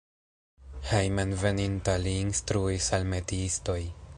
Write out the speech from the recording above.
Hejmenveninta li instruis al metiistoj.